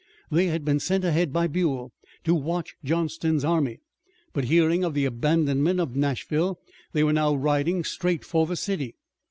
They had been sent ahead by Buell to watch Johnston's army, but hearing of the abandonment of Nashville, they were now riding straight for the city.